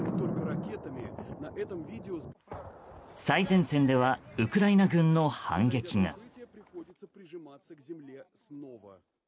最前線ではウクライナ軍の反撃が。